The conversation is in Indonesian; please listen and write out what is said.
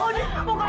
odin kamu keluar